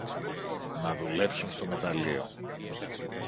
να δουλέψουν στο μεταλλείο